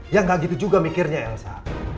ya nggak gitu juga mikirnya elsa